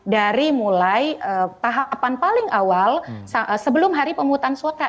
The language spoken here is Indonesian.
dari mulai tahapan paling awal sebelum hari pemungutan suara